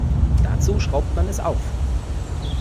Dazu schraubt man es auf.